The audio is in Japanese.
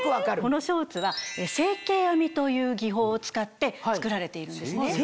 このショーツは成型編みという技法を使って作られているんですね。